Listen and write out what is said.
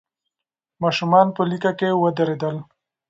ماشومان په لیکه کې ودرېدل.